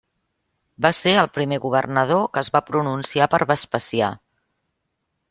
Va ser el primer governador que es va pronunciar per Vespasià.